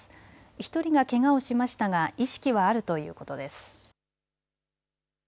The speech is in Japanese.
１人がけがをしましたが意識はあるということです。